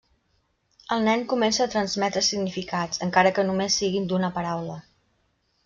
El nen comença a transmetre significats, encara que només siguin d'una paraula.